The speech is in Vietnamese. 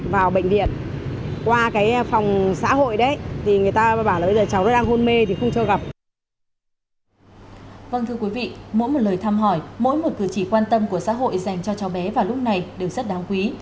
vâng thưa quý vị mỗi một lời thăm hỏi mỗi một cử chỉ quan tâm của xã hội dành cho cháu bé vào lúc này đều rất đáng quý